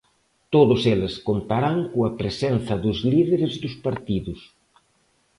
Todos eles contarán coa presenza dos líderes dos partidos.